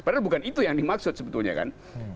padahal bukan itu yang dimaksud sebetulnya kan